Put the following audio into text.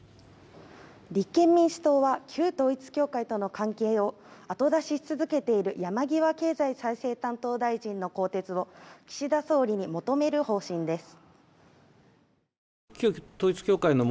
立憲民主党は旧統一教会との関係を後出しし続けている山際経済再生担当大臣の更迭を岸田総理に求める方針です。